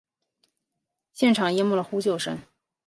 嘈杂的现场淹没了呼救声。